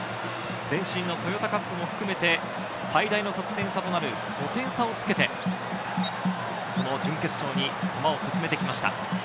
前身のトヨタカップも含めて、最大の得点差となる５点差をつけて準決勝に駒を進めてきました。